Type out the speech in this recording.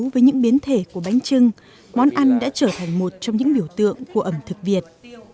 với những biến thể của bánh trưng món ăn đã trở thành một trong những biểu tượng của ẩm thực việt